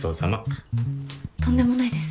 あっとんでもないです。